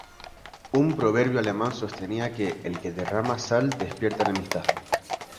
Un proverbio alemán sostenía que "el que derrama sal despierta enemistad".